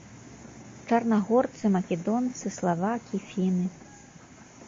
Чарнагорцы, македонцы, славакі, фіны.